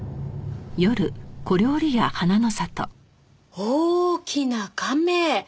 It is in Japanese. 大きなカメ。